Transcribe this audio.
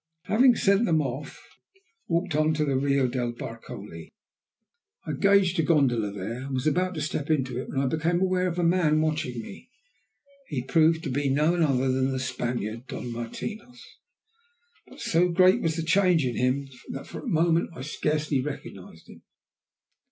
Having sent them off, I walked on to the Rio del Barcaroli, engaged a gondola there, and was about to step into it, when I became aware of a man watching me. He proved to be none other than the Spaniard, Don Martinos, but so great was the change in him that for a moment I scarcely recognized him.